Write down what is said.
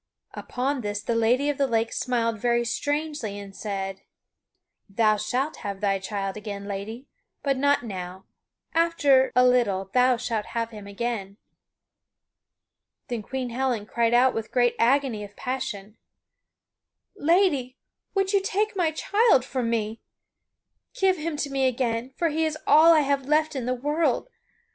Upon this the Lady of the Lake smiled very strangely and said: "Thou shalt have thy child again, lady, but not now; after a little thou shalt have him again." Then Queen Helen cried out with great agony of passion: "Lady, would you take my child from me? Give him to me again, for he is all I have left in the world.